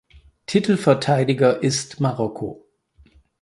Titelverteidiger ist Marokko.